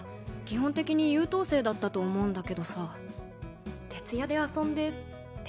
基本的に優等生だったと思うんだけどさ徹夜で遊んでって何してんの？